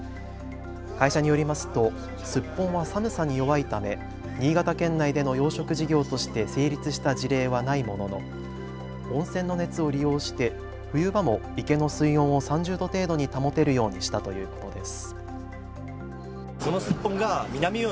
会社によりますと、すっぽんは寒さに弱いため新潟県内での養殖事業として成立した事例はないものの温泉の熱を利用して冬場も池の水温を３０度程度に保てるようにしたということです。